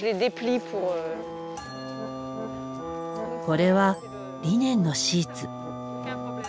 これはリネンのシーツ。